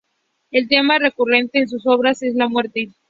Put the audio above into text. El tema recurrente en sus obras es la muerte.